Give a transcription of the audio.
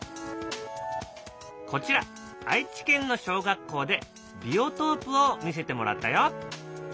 こちら愛知県の小学校でビオトープを見せてもらったよ。